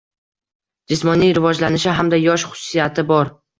Jismoniy rivojlanishi hamda yosh xususiyati bor.